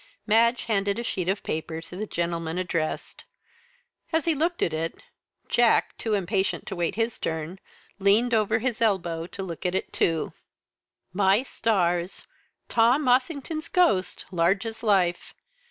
Madge handed a sheet of paper to the gentleman addressed. As he looked at it Jack, too impatient to wait his turn, leaned over his elbow to look at it too. "My stars! 'Tom Ossington's Ghost!' Large as life!